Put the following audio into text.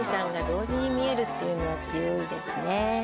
同時に見えるっていうのは強いですね